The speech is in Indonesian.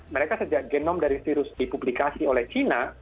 mereka sejak genom dari virus dipublikasi oleh china